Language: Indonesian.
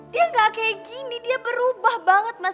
dia gak kayak gini dia berubah banget mas